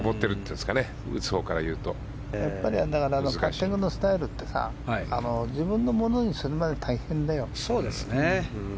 パッティングのスタイルってさ自分のものにするまでが大変だよ。